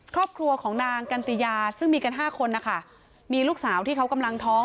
ครอบครัวของนางกันติยาซึ่งมีกันห้าคนนะคะมีลูกสาวที่เขากำลังท้อง